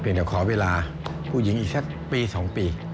เพียงแต่ขอเวลาผู้หญิงอีกแค่ปี๒ปี